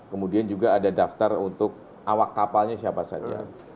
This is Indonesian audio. kemudian juga ada daftar untuk awak kapalnya siapa saja